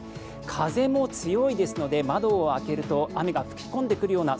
風も強いですので窓を開けると雨が吹き込んでくるような